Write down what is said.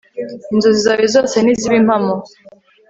inzozi zawe zose nizibe impamo